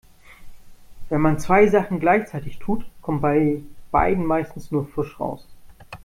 Wenn man zwei Sachen gleichzeitig tut, kommt bei beidem meistens nur Pfusch raus.